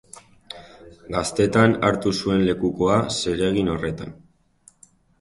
Gaztetan hartu zuen lekukoa zeregin horretan.